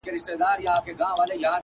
• طوطي والوتی یوې او بلي خواته,